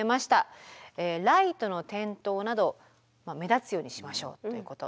ライトの点灯など目立つようにしましょうということ。